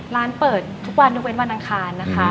ร้านเปิดทุกวันยกเว้นวันอังคารนะคะ